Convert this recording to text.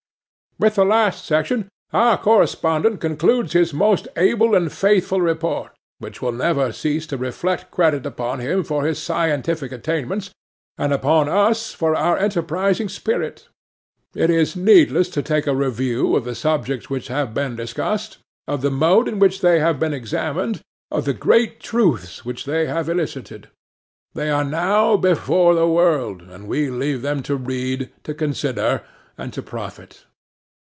With the last section our correspondent concludes his most able and faithful Report, which will never cease to reflect credit upon him for his scientific attainments, and upon us for our enterprising spirit. It is needless to take a review of the subjects which have been discussed; of the mode in which they have been examined; of the great truths which they have elicited. They are now before the world, and we leave them to read, to consider, and to profit.